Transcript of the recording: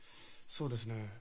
そうですね